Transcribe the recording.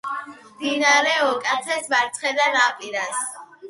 მდინარე ოკაცეს მარცხენა ნაპირას.